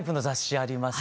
あります